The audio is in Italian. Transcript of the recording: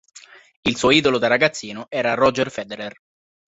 Il suo idolo da ragazzino era Roger Federer.